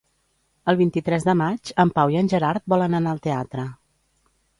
El vint-i-tres de maig en Pau i en Gerard volen anar al teatre.